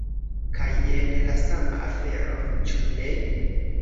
Kaj jen la sama afero, ĉu ne?